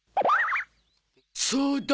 そうだ！